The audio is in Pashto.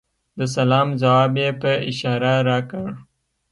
د سلام ځواب یې په اشاره راکړ .